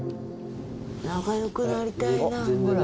仲良くなりたいなほら。